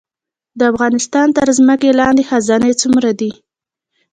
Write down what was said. د افغانستان تر ځمکې لاندې خزانې څومره دي؟